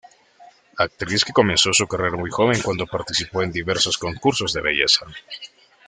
Actriz que comenzó su carrera muy joven cuando participó en diversos concursos de belleza.